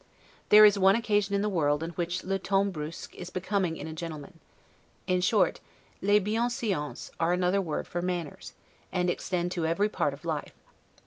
There is one occasion in the world in which 'le ton brusque' is becoming a gentleman. In short, 'les bienseances' are another word for MANNERS, and extend to every part of life.